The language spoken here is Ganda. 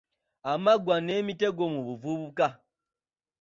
Amaggwa n’emitego mu buvubuka.